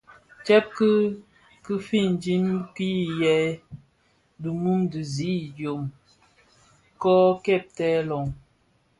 Tsèb ki fiñdim kil è dhi mum dhi zi idyōm kō kèbtèè loň.